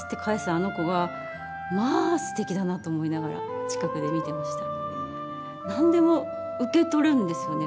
あの子が、まあすてきだなと思いながら近くで見てました。